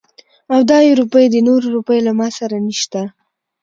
او دا يې روپۍ دي. نورې روپۍ له ما سره نشته.